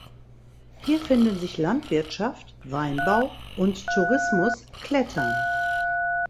Hier finden sich Landwirtschaft (Weinbau) und Tourismus (Klettern).